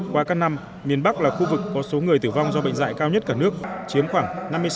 qua các năm miền bắc là khu vực có số người tử vong do bệnh dạy cao nhất cả nước chiếm khoảng năm mươi sáu